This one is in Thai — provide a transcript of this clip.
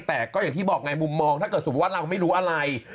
แต่ก็อย่างที่บอกไงมุมมองถ้าเกิดสมมุติว่าเราไม่รู้อะไร